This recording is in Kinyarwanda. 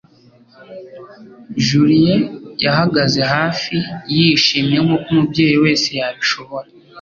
Julie yahagaze hafi, yishimye nkuko umubyeyi wese yabishobora.